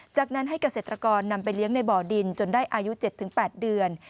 จากนั้นให้เกษตรกรนำไปเลี้ยงในบ่อดินจนได้อายุ๗๘เดือน